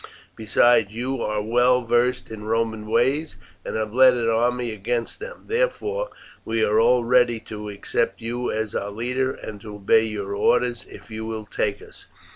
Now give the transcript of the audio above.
Besides, you are well versed in Roman ways, and have led an army against them, therefore we all are ready to accept you as our leader and to obey your orders if you will take us."